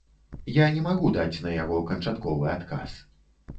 Я не магу даць на яго канчатковы адказ.